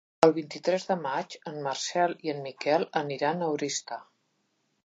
El vint-i-tres de maig en Marcel i en Miquel aniran a Oristà.